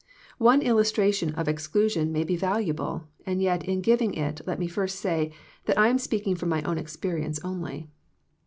One illustration of exclusion may be valuable, and yet in giving it let me first say that I am speaking from ray own experience only.